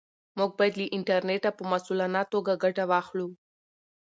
موږ باید له انټرنیټه په مسؤلانه توګه ګټه واخلو.